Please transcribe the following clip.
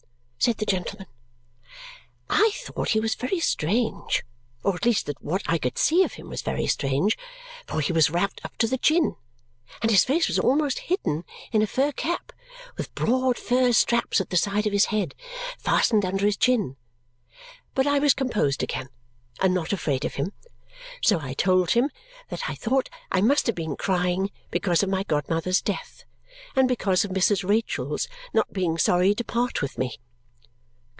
said the gentleman. I thought he was very strange, or at least that what I could see of him was very strange, for he was wrapped up to the chin, and his face was almost hidden in a fur cap with broad fur straps at the side of his head fastened under his chin; but I was composed again, and not afraid of him. So I told him that I thought I must have been crying because of my godmother's death and because of Mrs. Rachael's not being sorry to part with me.